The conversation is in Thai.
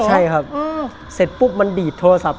ใช่ครับเสร็จปุ๊บมันดีดโทรศัพท